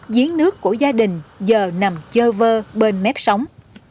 giếng nước của gia đình giờ nằm chơ vơ bên mép sống